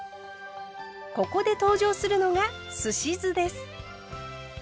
ここで登場するのがすし酢です。